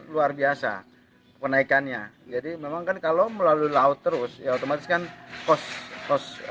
luar biasa kenaikannya jadi memang kan kalau melalui laut terus ya otomatis kan kos kos